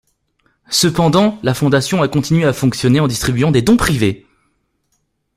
Cependant, la fondation a continué à fonctionner en distribuant des dons privés.